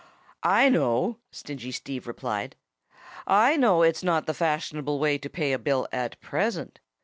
"I know," Stingy Steve replied. "I know it's not the fashionable way to pay a bill at present.